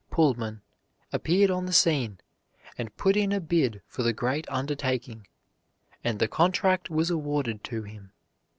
Pullman, appeared on the scene, and put in a bid for the great undertaking, and the contract was awarded to him.